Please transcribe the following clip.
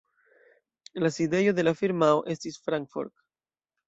La sidejo de la firmao estis Frankfurt.